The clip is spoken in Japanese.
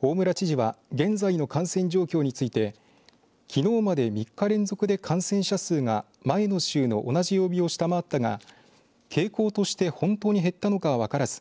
大村知事は現在の感染状況についてきのうまで３日連続で感染者数が前の週の同じ曜日を下回ったが傾向として本当に減ったのかは分からず